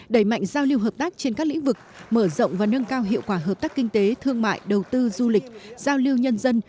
đẩy mạnh giao lưu hợp tác trên các lĩnh vực mở rộng và nâng cao hiệu quả hợp tác kinh tế thương mại đầu tư du lịch giao lưu nhân dân